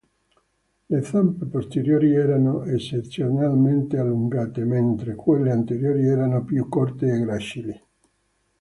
Le zampe posteriori erano eccezionalmente allungate, mentre quelle anteriori erano più corte e gracili.